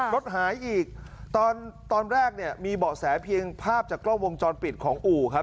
รถหายอีกตอนแรกเนี่ยมีเบาะแสเพียงภาพจากกล้องวงจรปิดของอู่ครับ